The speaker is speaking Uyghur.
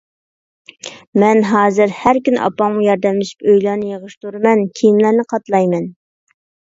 مەن ھازىر ھەر كۈنى ئاپامغا ياردەملىشىپ ئۆيلەرنى يىغىشتۇرىمەن، كىيىملەرنى قاتلايمەن.